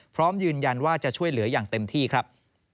พร้อมยืนยันว่าจะช่วยเหลืออย่างเต็มที่ครับ